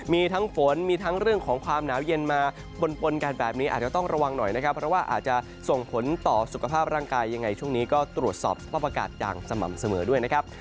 มีทั้งฝนมีทั้งเรื่องของความหนาวเย็นมาปนกันแบบนี้อาจจะต้องระวังหน่อยนะครับเพราะว่าอาจจะส่งผลต่อสุขภาพร่างกายยังไงช่วงนี้ก็ตรวจสอบสภาพอากาศอย่างสม่ำเสมอด้วยนะครับ